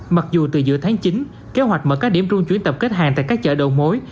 mặc dù từ giữa tháng chín kế hoạch mở các điểm trung chuyển tập kết hàng tại các chợ đầu mối